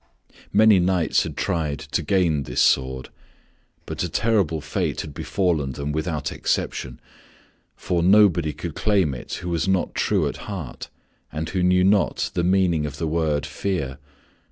Many knights had tried to gain this sword, but a terrible fate had befallen them without exception, for nobody could claim it who was not true at heart, and who knew not the meaning of the word fear.